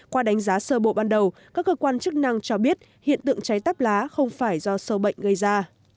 qua đánh giá sơ bộ ban đầu các cơ quan chức năng cho biết hiện tượng cháy tắp lá không phải do sâu bệnh gây ra